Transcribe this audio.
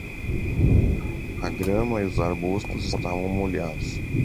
A grama e os arbustos estavam molhados.